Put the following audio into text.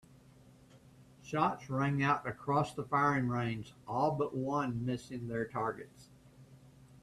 Shots rang out across the firing range, all but one missing their targets.